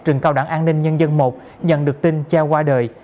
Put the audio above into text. trường cao đẳng an ninh nhân dân i nhận được tin cha qua đời